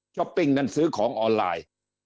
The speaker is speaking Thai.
ปิ้งนั้นซื้อของออนไลน์